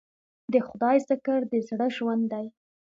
د خدای ذکر د زړه ژوند دی.